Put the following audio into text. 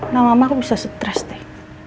nah mama kok bisa stres deh